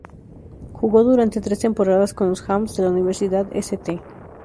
Jugó durante tres temporadas con los "Hawks" de la Universidad St.